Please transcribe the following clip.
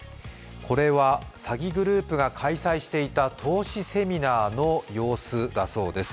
これは詐欺グループが開催していた投資セミナーの様子だそうです。